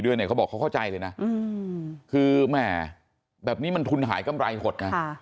ด้วยเนี่ยเขาบอกเขาเข้าใจเลยนะแบบนี้มันทุนหายกำไรหด